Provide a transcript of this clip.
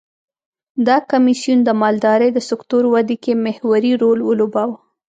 دا کمېسیون د مالدارۍ د سکتور ودې کې محوري رول ولوباوه.